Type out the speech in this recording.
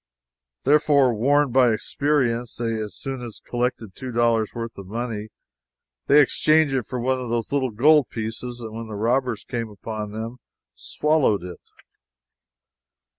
Therefore, warned by experience, as soon as they have collected two dollars' worth of money they exchange it for one of those little gold pieces, and when robbers come upon them, swallow it.